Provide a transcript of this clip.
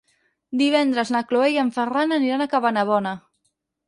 Divendres na Cloè i en Ferran aniran a Cabanabona.